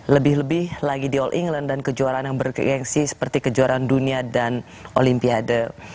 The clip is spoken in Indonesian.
lebih lebih lagi di all england dan kejuaraan yang bergengsi seperti kejuaraan dunia dan olimpiade